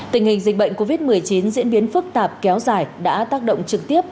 tình hình dịch bệnh covid một mươi chín diễn biến phức tạp kéo dài đã tác động trực tiếp